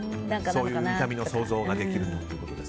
そういう痛みの想像ができると。